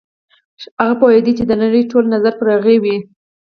هغه پوهېده چې د نړۍ ټول نظر به پر هغې وي.